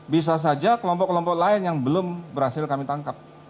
bisa saja kelompok kelompok lain yang belum berhasil kami tangkap